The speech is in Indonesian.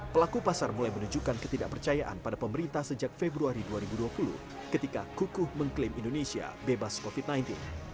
pelaku pasar mulai menunjukkan ketidakpercayaan pada pemerintah sejak februari dua ribu dua puluh ketika kukuh mengklaim indonesia bebas covid sembilan belas